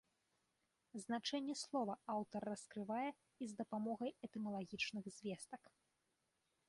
Значэнне слова аўтар раскрывае і з дапамогай этымалагічных звестак.